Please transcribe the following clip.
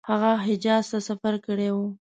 هغه حجاز ته سفر کړی وو.